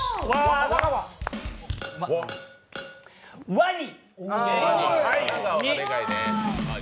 ワニ。